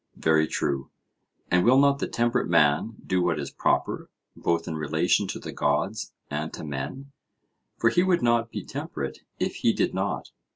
Very true. And will not the temperate man do what is proper, both in relation to the gods and to men;—for he would not be temperate if he did not?